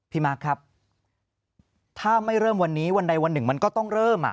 มาร์คครับถ้าไม่เริ่มวันนี้วันใดวันหนึ่งมันก็ต้องเริ่มอ่ะ